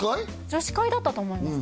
女子会だったと思います